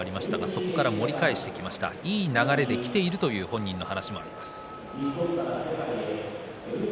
双方から盛り返してきました、いい流れできていると本人の話です。